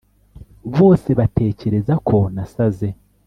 bose batekereza ko nasaze